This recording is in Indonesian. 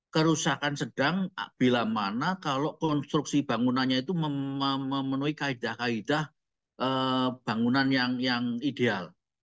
kerusakan sedang bila mana kalau konstruksi bangunannya itu memenuhi kaedah kaedah bangunan yang ideal